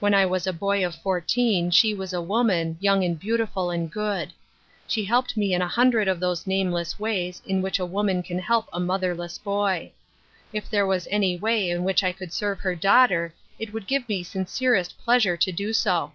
When I was a boy of fourteen she was a woman, young and beautiful and good. She helped me in a hun di'ed of those nameless ways in which a womaa can help a motherless boy. If there was any way in which I could serve her daughter it would give me sincerest pleasure to do so."